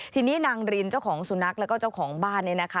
ทีนี้นางรินเจ้าของสุนัขแล้วก็เจ้าของบ้านเนี่ยนะคะ